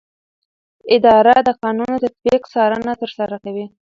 اداره د قانون د تطبیق څارنه ترسره کوي.